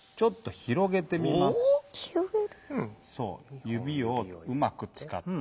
そう。